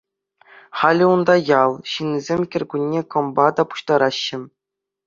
Халӗ унта ял ҫыннисем кӗркунне кӑмпа та пуҫтараҫҫӗ.